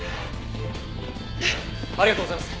ありがとうございます。